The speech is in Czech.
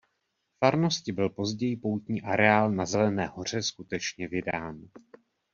Farnosti byl později poutní areál na Zelené hoře skutečně vydán.